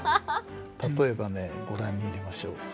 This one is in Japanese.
例えばねご覧に入れましょう。